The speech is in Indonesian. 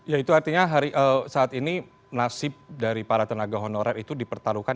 ya itu artinya saat ini nasib dari para tenaga honorer itu dipertaruhkan